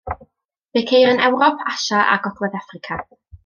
Fe'i ceir yn Ewrop, Asia a Gogledd Affrica.